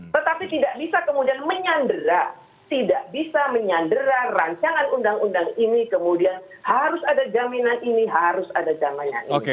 tetapi tidak bisa kemudian menyandera tidak bisa menyandera rancangan undang undang ini kemudian harus ada jaminan ini harus ada jaminan ini